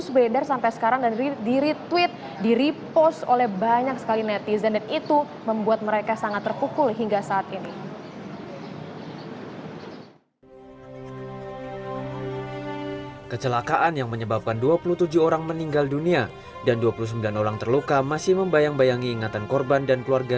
kecelakaan maut tanjakan mn terjadi pada sabtu sore lalu akibat insiden ini dua puluh tujuh orang tewas dan tiga puluh lainnya luka luka